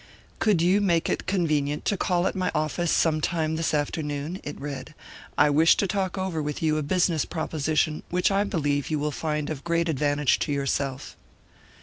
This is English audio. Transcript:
"Could you make it convenient to call at my office sometime this afternoon?" it read. "I wish to talk over with you a business proposition which I believe you will find of great advantage to yourself."